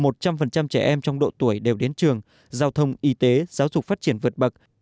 một trăm linh trẻ em trong độ tuổi đều đến trường giao thông y tế giáo dục phát triển vượt bậc